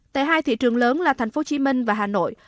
tại hai thị trường lớn là thành phố hồ chí minh và hà nội